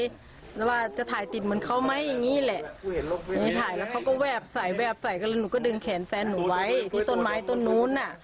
แล้วว่าจะถ่ายติดเหมือนเขาไหมอย่างนี้แหละนี่ถ่ายแล้วเขาก็แวบใส่แวบใส่กันแล้วหนูก็ดึงแขนแฟนหนูไว้ที่ต้นไม้ต้นนู้นอ่ะ